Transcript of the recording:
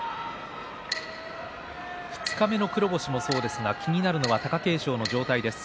二日目の黒星もそうですが気になるのは貴景勝の状態です。